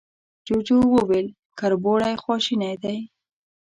جوجو وويل، کربوړی خواشينی دی.